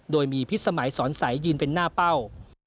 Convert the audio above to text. โดยมีพิษสมัยสอนใสยืนเป็นหน้าเป้า